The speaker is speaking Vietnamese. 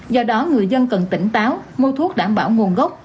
do đó người dân cần tỉnh táo mua thuốc đảm bảo nguồn gốc